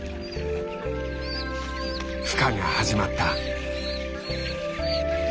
ふ化が始まった。